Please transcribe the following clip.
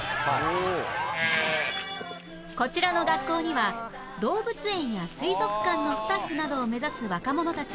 こちらの学校には動物園や水族館のスタッフなどを目指す若者たち